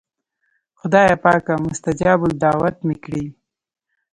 خدایه پاکه مستجاب الدعوات مې کړې.